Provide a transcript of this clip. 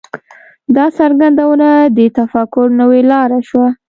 دا څرګندونه د تفکر نوې لاره شوه.